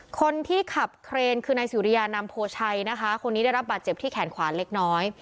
คนที่ขับเครนคือนายสุริยานำโพชัยนะคะคนนี้ได้รับบาดเจ็บที่แขนขวาเล็กน้อย